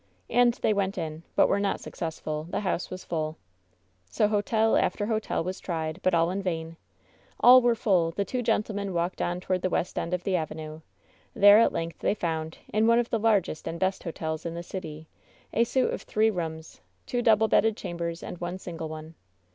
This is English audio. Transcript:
And they went in, but were not successful; the house was fulL So hotel after hotel was tried, but in vain. All were full. The two gentlemen walked on toward the west end of the avenue. There at length they found, in one of the largest and best hotels in the city, a suit of three rooms — two double bedded chambers and one single one.